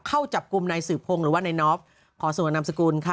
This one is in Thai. เข้าจับกลุ่มในสืบพงศ์หรือว่าในนอฟขอส่วนนามสกุลค่ะ